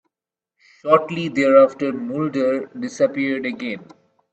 Shortly thereafter, Mulder disappeared again.